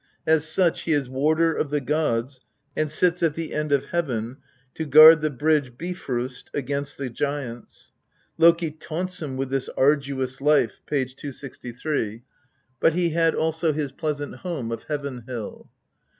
As such " he is warder of the gods, and sits at the end of heaven to guard the bridge Bifrost against the giants." Loki taunts him with this arduous life (p. 263), INTRODUCTION. xv but he had also his pleasant home of Heaven hill.